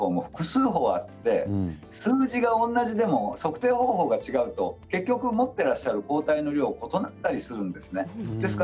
抗体価の測定法も複数あって数字は同じでも測定方法が違うと持っている抗体の量が異なったりするんです。